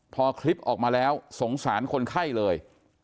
พอคลิปออกมาแล้วสงสารคนไข้เลย